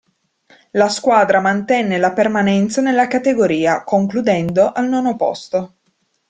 La squadra mantenne la permanenza nella categoria, concludendo al nono posto.